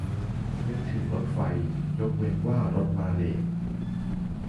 นึกถึงรถไฟ ยกเว้นว่ารถมาเลต